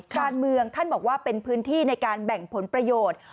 การเมืองท่านบอกว่าเป็นพื้นที่ในการแบ่งผลประโยชน์